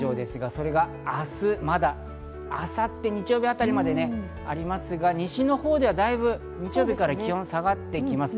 それが明日、まだ明後日・日曜日あたりまでありますが、西のほうではだいぶ日曜日から気温が下がってきます。